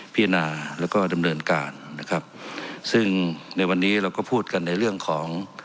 พิจารณาแล้วก็ดำเนินการนะครับซึ่งในวันนี้เราก็พูดกันในเรื่องของ